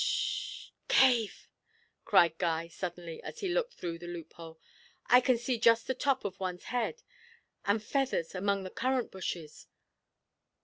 'S s h Cave!' cried Guy, suddenly, as he looked through the loophole; 'I can see just the top of one's head and feathers among the currant bushes.